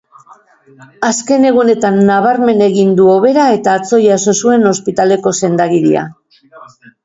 Azken egunetan nabarmen egin du hobera eta atzo jaso zuen ospitaleko sendagiria.